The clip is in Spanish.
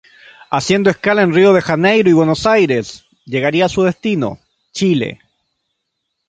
Haciendo escala en Río de Janeiro y Buenos Aires, llegaría a su destino, Chile.